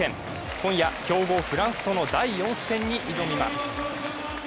今夜、強豪フランスとの第４戦に挑みます。